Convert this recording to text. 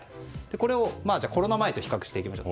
これをコロナ前と比較していきましょう。